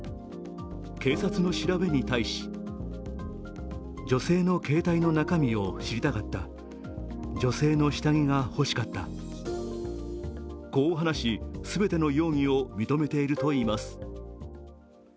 警察の調べに対しこう話し、全ての容疑を認めているといいます。